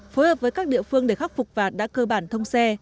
phối hợp với các địa phương để khắc phục và đã cơ bản thông xe